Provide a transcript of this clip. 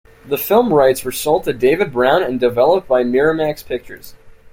The film rights were sold to David Brown and developed by Miramax Pictures.